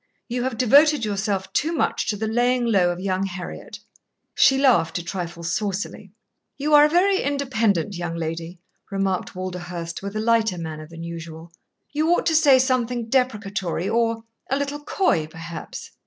You have devoted yourself too much to the laying low of young Heriot." She laughed a trifle saucily. "You are a very independent young lady," remarked Walderhurst, with a lighter manner than usual. "You ought to say something deprecatory or a little coy, perhaps."